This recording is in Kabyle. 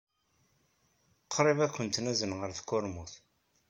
Qrib ad kent-nazen ɣer tkurmut.